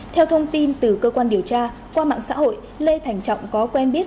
theo thông tin từ cơ quan điều tra qua mạng xã hội lê thành trọng có quen biết